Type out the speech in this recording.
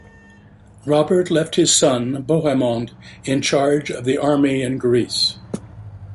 Robert left his son Bohemond in charge of the army in Greece.